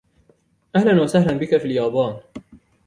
أهلاً و سهلاً بك في اليايان.